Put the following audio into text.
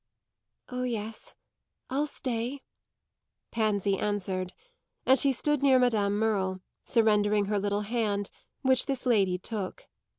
"Oh yes, I'll stay," Pansy answered; and she stood near Madame Merle, surrendering her little hand, which this lady took.